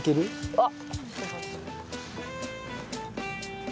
あっ！